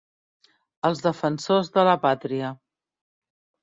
Els defensors de la pàtria.